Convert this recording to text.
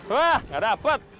wah gak dapet